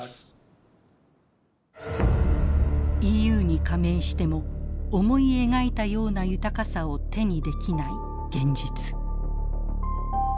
ＥＵに加盟しても思い描いたような豊かさを手にできない現実。